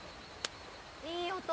・いい音！